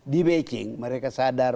di beijing mereka sadar